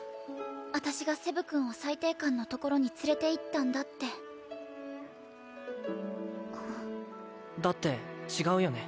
私がセブ君を裁定官のところに連れて行ったんだってだって違うよね？